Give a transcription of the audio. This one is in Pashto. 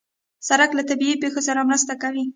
سړک له طبیعي پېښو سره مرسته کوي.